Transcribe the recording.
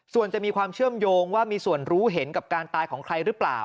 ส่วนจะมีความเชื่อมโยงว่ามีส่วนรู้เห็นกับการตายของใครหรือเปล่า